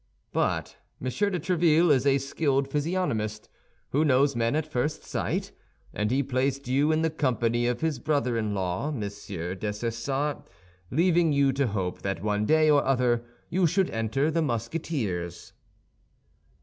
But Monsieur de Tréville is a skilled physiognomist, who knows men at first sight; and he placed you in the company of his brother in law, Monsieur Dessessart, leaving you to hope that one day or other you should enter the Musketeers."